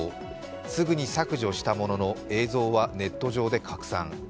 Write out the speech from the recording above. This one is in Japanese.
すぐに削除したものの映像はネット上で拡散。